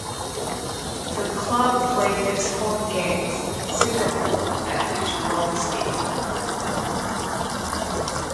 The club played its home games in Singapore at the Jurong Stadium.